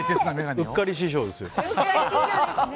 うっかり師匠ですよ。